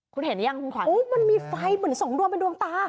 คุณเห็นยังคุณขวานโอ้มันมีไฟเหมือนส่งรวมเป็นดวงตา